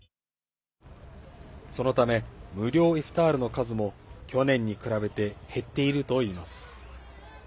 そのため、無料イフタールの数も去年に比べて減っているといいます。